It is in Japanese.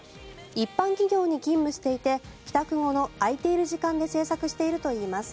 一般企業に勤務していて帰宅後の空いている時間で制作しているといいます。